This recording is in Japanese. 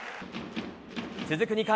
続く２回。